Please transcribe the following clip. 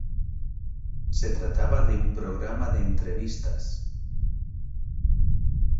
Se trataba de un programa de entrevistas.